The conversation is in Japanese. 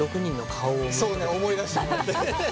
そうね思い出してもらって。